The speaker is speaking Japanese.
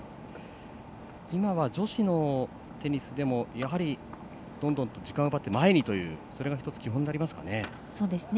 今は女子のテニスでもやはり、どんどん時間を奪って前にというそれが１つ基本になりますかね。